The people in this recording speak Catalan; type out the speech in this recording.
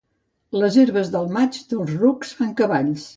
Les herbes del maig, dels rucs fan cavalls.